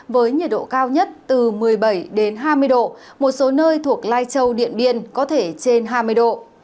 với nhiệt độ cao nhất từ một mươi bảy hai mươi độ một số nơi thuộc lai châu điện biên có thể trên hai mươi độ